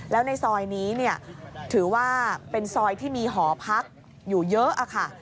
แล้วในซอยนี้ถือว่าเป็นซอยที่มีหอพักอยู่เยอะค่ะ